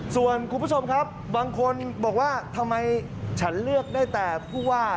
ส่วนคุณผู้ชมครับบางคนบอกว่าทำไมฉันเลือกได้แต่ผู้ว่า